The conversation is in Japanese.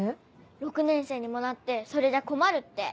６年生にもなってそれじゃ困るって。